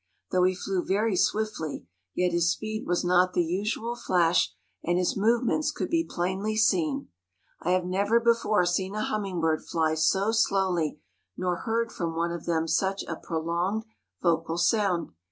Though he flew very swiftly, yet his speed was not the usual flash and his movements could be plainly seen. I had never before seen a hummingbird fly so slowly nor heard from one of them such a prolonged vocal sound.